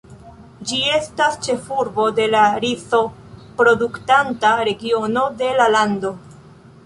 Ĝi estas ĉefurbo de la rizo-produktanta regiono de la lando.